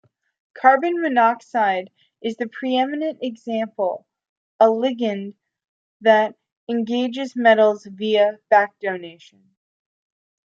Carbon monoxide is the preeminent example a ligand that engages metals via back-donation.